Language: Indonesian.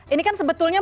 ini kan sebetulnya